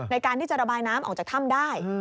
ในการที่จะระบายน้ำออกจากถ้ำได้